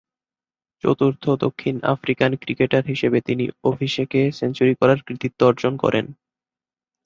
চতুর্থ দক্ষিণ African cricketer হিসেবে তিনি অভিষেকে সেঞ্চুরি করার কৃতিত্ব অর্জন করেন।